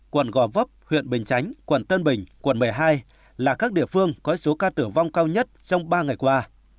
quận gò vấp huyện bình chánh quận tân bình quận một mươi hai là các địa phương có số ca tử vong cao nhất trong ba ngày qua